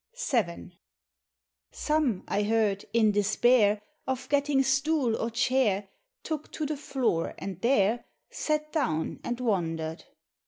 VII. .Some, I heard, in despair Of getting stool or chair. Took to flie floor, and there Sat down and wondered.